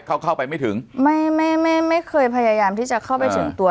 เขาเข้าไปไม่ถึงไม่ไม่ไม่เคยพยายามที่จะเข้าไปถึงตัว